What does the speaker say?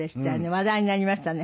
話題になりましたね。